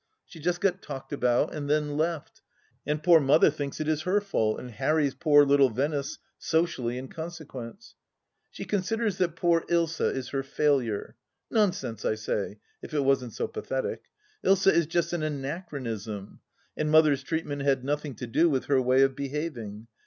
She just got talked about and then " left," and poor Mother thinks it is her fault, and harries poor little Venice socially in consequence. She considers that poor Ilsa is her " failure." Nonsense, 1 say, if it wasn't so pathetic I Ilsa is just an anachronism, and Mother's treatment had nothing to do with her way of behaving.